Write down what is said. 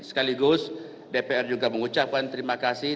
sekaligus dpr juga mengucapkan terima kasih